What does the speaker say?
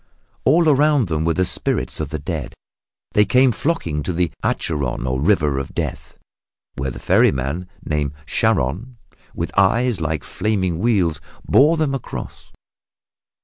All around them were the spirits of the dead. They came flocking to the Acheron or River of Death, where the ferryman named Charon, with eyes like flaming wheels, bore them across.